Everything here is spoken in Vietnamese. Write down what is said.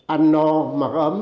ăn no mặc ấm